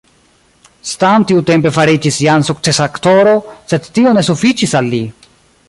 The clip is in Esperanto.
Stan tiutempe fariĝis jam sukcesa aktoro, sed tio ne sufiĉis al li.